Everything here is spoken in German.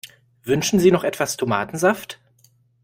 Wünschen Sie noch etwas Tomatensaft?